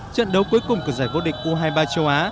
trận đấu cuối cùng của giải vô địch u hai mươi ba châu á